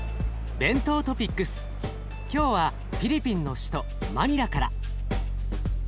今日はフィリピンの首都マニラから。